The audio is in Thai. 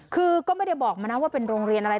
คือก็ไม่ได้บอกมานะว่าเป็นโรงเรียนอะไร